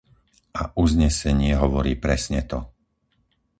A uznesenie hovorí presne to.